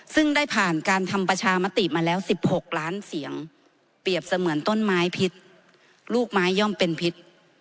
ซึ่งได้ผ่านการทำประชามติมาแล้ว๑๖ล้านเสียงเปรียบเสมือนต้นไม้พิษลูกไม้ย่อมเป็นพิษ